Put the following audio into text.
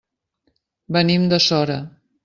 Venim de Sora.